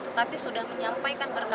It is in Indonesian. tetapi sudah menyampaikan pertanyaan